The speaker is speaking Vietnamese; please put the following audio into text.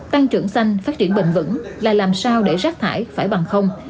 tăng trưởng xanh phát triển bền vững là làm sao để rác thải phải bằng không